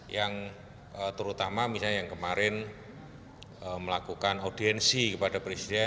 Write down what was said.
yang terutama misalnya yang kemarin melakukan audiensi kepada presiden